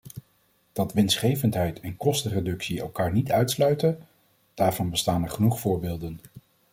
Dat winstgevendheid en kostenreductie elkaar niet uitsluiten, daarvan bestaan er genoeg voorbeelden.